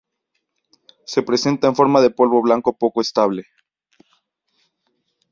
Se presenta en forma de polvo blanco poco estable.